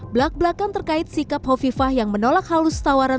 belak belakan terkait sikap hovifah yang menolak halus tawaran